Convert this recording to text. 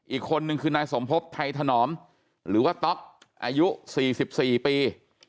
อีกคนนึงคือนายสมพบไทยถนอมหรือว่าต๊อกอายุ๔๔ปี